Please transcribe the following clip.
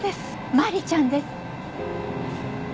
マリちゃんです。